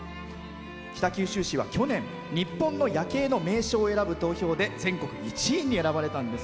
北九州市は去年日本の夜景の名所を選ぶ投票で全国１位に選ばれたんです。